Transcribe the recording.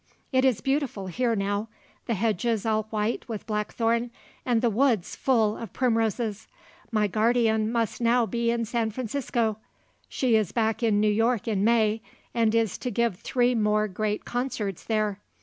It is beautiful here now; the hedges all white with blackthorn and the woods full of primroses. My guardian must now be in San Francisco! She is back in New York in May, and is to give three more great concerts there.